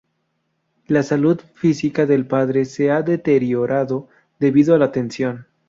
La salud física del padre se ha deteriorado debido a la tensión.